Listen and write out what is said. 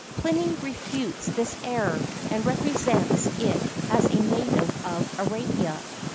Pliny refutes this error, and represents it as a native of Arabia.